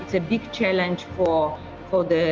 itu tantangan besar untuk